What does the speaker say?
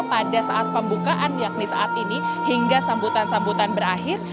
pada saat pembukaan yakni saat ini hingga sambutan sambutan berakhir